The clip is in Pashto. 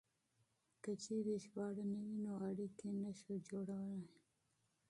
که چېرې ژباړه نه وي نو اړيکې نه شو جوړولای.